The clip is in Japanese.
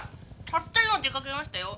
たった今出かけましたよ。